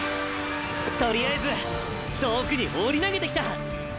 取りあえず遠くに放り投げてきた。